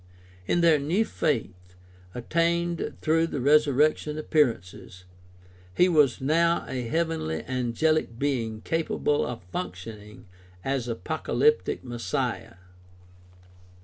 In their new faith, attained through the resurrection appear ances, he was now a heavenly angelic being capable of func tioning as apocalyptic Messiah.